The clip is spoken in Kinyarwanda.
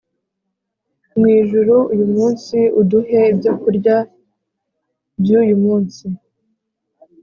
Mu ijuru uyu munsi uduhe ibyokurya by uyu munsi